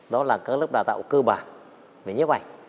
đó là các lớp đào tạo cơ bản về nhiếp ảnh